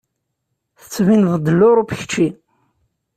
Tettbineḍ-d n Luṛup kečči.